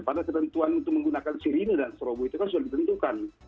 padahal ketentuan untuk menggunakan sirine dan serobo itu kan sudah ditentukan